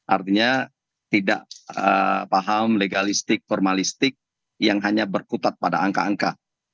artinya tidak paham legalistik formalistik yang hanya berkutat pada angka angka